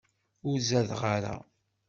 Ur zadeɣ ara.